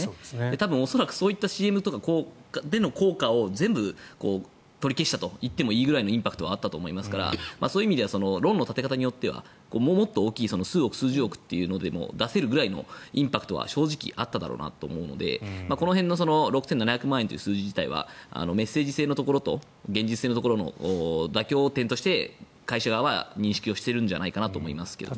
多分そういったＣＭとかでの効果を全部取り消したといってもいいぐらいのインパクトはあったと思いますからそういう意味では論の立て方によってはもっと大きい数億、数十億と出せるくらいのインパクトはあっただろうと思うのでこの辺の６７００万円という数字自体はメッセージ性のところと現実性のところの妥協点として会社側は認識してるんじゃないかなと思いますけどね。